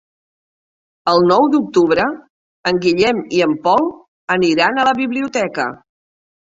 El nou d'octubre en Guillem i en Pol aniran a la biblioteca.